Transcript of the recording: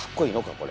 これ。